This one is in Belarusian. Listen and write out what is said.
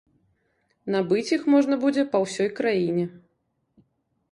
Набыць іх можна будзе па ўсёй краіне.